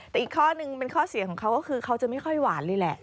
แต่อีกข้อนึงเป็นข้อเสียของเขาก็คือเขาจะไม่ค่อยหวานเลยแหละ